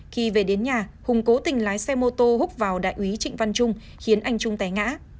khi về đến nhà hùng cố tình lái xe mô tô hút vào đại úy trịnh văn trung khiến anh trung té ngã